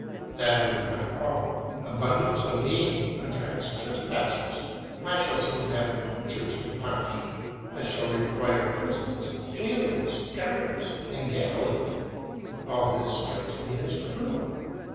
That is not all; abundance of game attracts trespassers; I shall soon have poachers to punish; I shall require prisons, gaolers, guards, and galleys; all this strikes me as cruel.